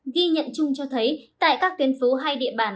ghi nhận chung cho thấy tại các tuyến phố hay địa bàn